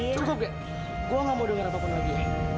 cukup gak gue gak mau denger apapun lagi